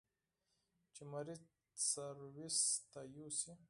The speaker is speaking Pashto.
چې مريض سرويس ته يوسي.